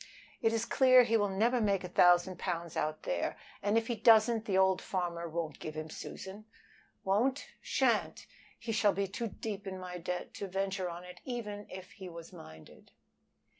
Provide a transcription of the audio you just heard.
"It is clear he will never make a thousand pounds out there, and if he doesn't the old farmer won't give him Susan. Won't? He shan't! He shall be too deep in my debt to venture on it even if he was minded."